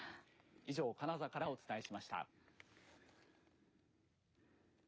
以上、金沢からお伝えしました。